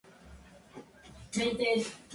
Mi formato Guardián.